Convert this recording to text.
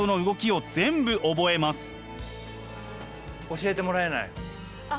教えてもらえない？